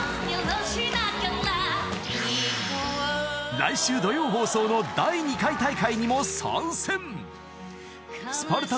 ［来週土曜放送の第２回大会にも参戦！］